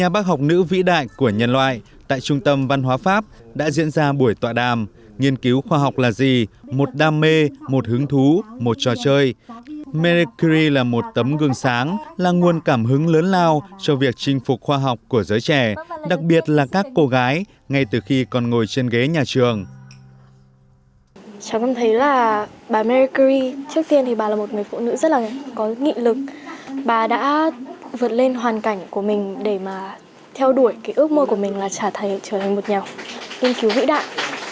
bà đã vượt lên hoàn cảnh của mình để mà theo đuổi cái ước mơ của mình là trả thầy trở thành một nhà nghiên cứu vĩ đại